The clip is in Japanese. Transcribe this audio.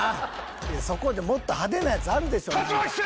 そこでもっと派手なやつあるでしょ